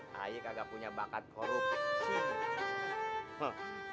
haye kagak punya bakat korupsi